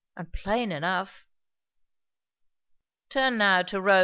and plain enough." "Turn now to Rom.